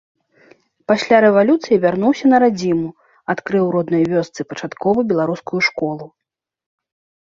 Пасля рэвалюцыі вярнуўся на радзіму, адкрыў у роднай вёсцы пачатковую беларускую школу.